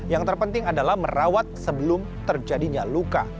yang terpenting adalah merawat sebelum terjadinya luka